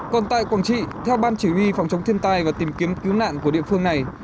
còn tại quảng trị theo ban chỉ huy phòng chống thiên tai và tìm kiếm cứu nạn của địa phương này